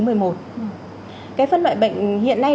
cái phân loại bệnh hiện nay đang là bệnh hình hiện game